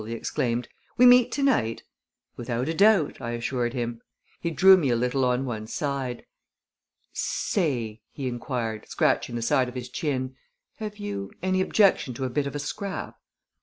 he exclaimed. "We meet tonight?" "Without a doubt," I assured him. He drew me a little on one side. "Say," he inquired, scratching the side of his chin, "have you any objection to a bit of a scrap?"